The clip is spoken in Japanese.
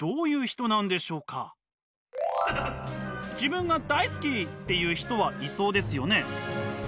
自分が大好き！っていう人はいそうですよね。